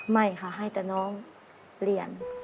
ไม่ค่ะให้แต่น้องเรียน